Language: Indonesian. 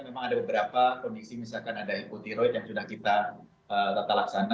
memang ada beberapa kondisi misalkan ada ekoteroid yang sudah kita tata laksana